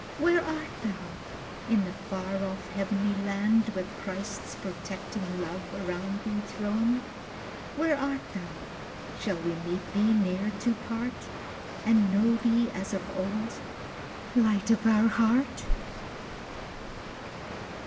Where art thou? In the far off heavenly land, With Christ's protecting love around thee thrown? Where art thou? Shall we meet thee ne'er to part, And know thee as of old Light of our heart?